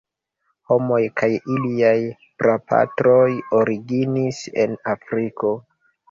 Homoj kaj iliaj prapatroj originis en Afriko.